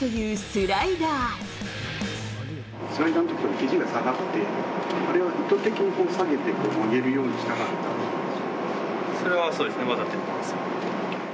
スライダーのとき、ひじが下がって、あれは意図的に下げて、曲げるようにしたかったそれはそうですね、わざとやってます。